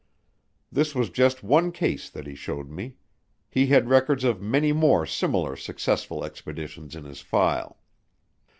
This was just one case that he showed me. He had records of many more similar successful expeditions in his file.